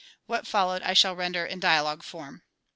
What followed I shall render in a dialogue form.